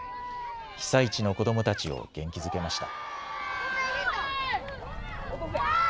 被災地の子どもたちを元気づけました。